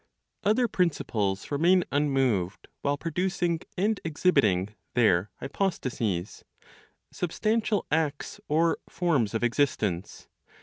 Other principles remain unmoved while producing and exhibiting their ("hypostases," substantial acts, or) forms of existence.